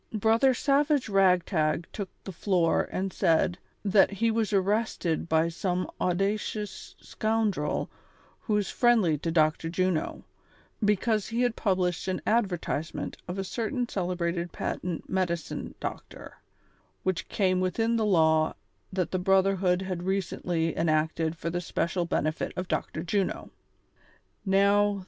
Brother SaA^age Ragtag took the floor and said : That he was arrested by some audacious scoundrel who is friendly to Dr. Juno, because he had i)ublished an advertisement of a certain celebrated patent medicine doctor, which came within the law that the brotherhood had recently en acted for Hi ^ special benefit of Dr. Juno. Kov.'